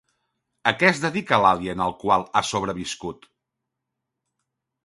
A què es dedica l'Alien al qual ha sobreviscut?